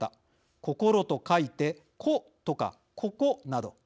「心」と書いて「コ」とか「ココ」など。